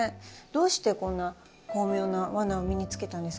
どうしてこんな巧妙なワナを身につけたんですかね？